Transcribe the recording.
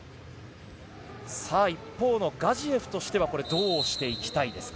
一方のガジエフとしてはどうしていきたいですか？